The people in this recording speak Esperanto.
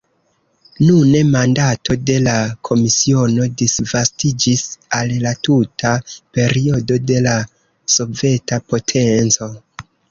Nune mandato de la komisiono disvastiĝis al la tuta periodo de la soveta potenco.